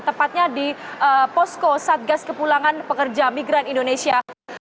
tepatnya di posko satgas kepulangan pekerja migran indonesia